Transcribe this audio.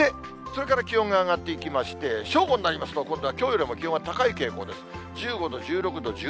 それから気温が上がっていきまして、正午になりますと、今度はきょうよりも気温が高い傾向です。